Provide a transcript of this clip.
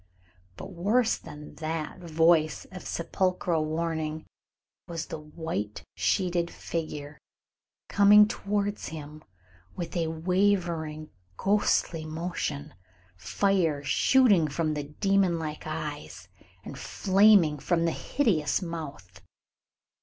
But worse than that voice of sepulchral warning was the white sheeted figure, coming towards him with a wavering, ghostly motion, fire shooting from the demon like eyes, and flaming from the hideous mouth.